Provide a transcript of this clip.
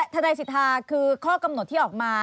ทนายสิทธาคือข้อกำหนดที่ออกมา